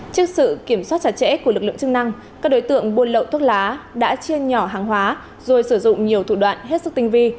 trước sự kiểm soát chặt chẽ của lực lượng chức năng các đối tượng buôn lậu thuốc lá đã chiên nhỏ hàng hóa rồi sử dụng nhiều thủ đoạn hết sức tinh vi